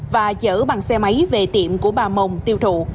và chở bằng xe máy về tiệm của bà mồng tiêu thụ